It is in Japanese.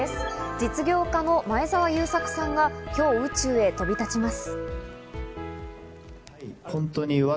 実業家の前澤友作さんが今日、宇宙へ飛び立ちます。